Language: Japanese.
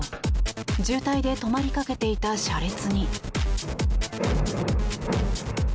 渋滞で止まりかけていた車列に。